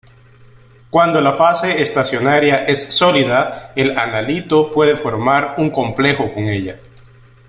Cuando la fase estacionaria es sólida, el analito puede formar un complejo con ella.